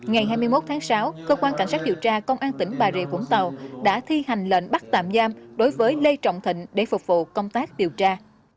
ngày hai mươi một tháng sáu cơ quan cảnh sát điều tra công an tỉnh bà rịa vũng tàu đã thi hành lệnh bắt tạm giam đối với lê trọng thịnh để phục vụ công tác điều tra